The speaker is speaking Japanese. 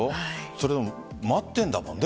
それを待っているんだもんね